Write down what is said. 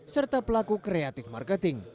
serta pelaku kreatif marketing